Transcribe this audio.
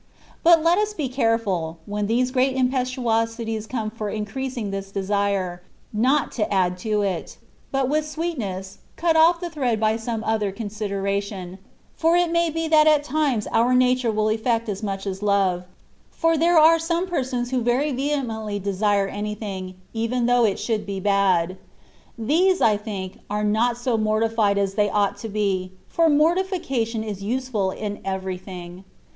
But let us be careful, when these great impetuosities come for increasing this desire, not to add to it ; but with sweetness cut off the thread by some other consideration,* for it may be that at times our nature will effect as much as love, for there are some persons who very vehemently desire anything, even though it should be bad. These, I think, are not so morti fied as they ought to be, for mortification is useful in everything.